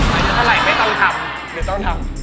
อายุเท่าไหร่ไม่ต้องทำ